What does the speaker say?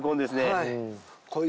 はい。